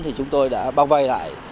thì chúng tôi đã bao vây lại